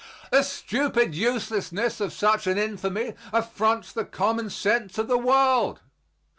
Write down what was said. The stupid uselessness of such an infamy affronts the common sense of the world.